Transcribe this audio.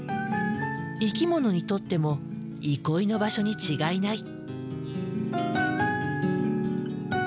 生き物にとっても憩いの場所に違いない。